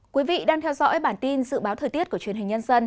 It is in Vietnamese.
quý vị đang theo dõi bản tin dự báo thời tiết của truyền hình nhân dân